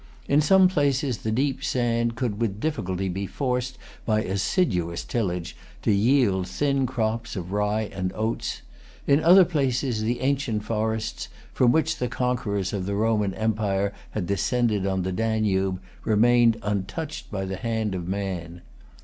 In some places, the deep sand could with difficulty be forced by assiduous tillage to yield thin crops of rye and oats. In other places, the ancient forests, from which the conquerors of the Roman empire had descended on the Danube, remained untouched by the hand of man.